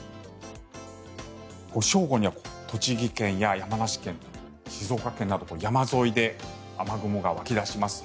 正午には栃木県や山梨県、静岡県など山沿いで雨雲が湧き出します。